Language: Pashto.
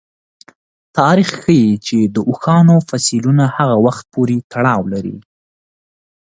تاریخ ښيي چې د اوښانو فسیلونه هغه وخت پورې تړاو لري.